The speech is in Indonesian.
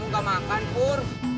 jelas ya ber integrity